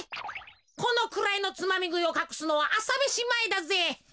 このくらいのつまみぐいをかくすのはあさめしまえだぜ。